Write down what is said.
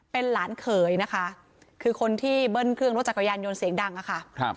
เป็นหลานเขยนะคะคือคนที่เบิ้ลเครื่องรถจักรยานยนต์เสียงดังอะค่ะ